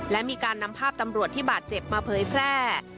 และมีการนำภาพตำรวจที่บาดเจ็บมาเผยแพร่